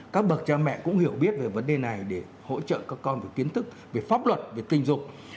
các bậc cha mẹ cũng hiểu biết về vấn đề này để hỗ trợ các con về kiến thức về pháp luật về tình dục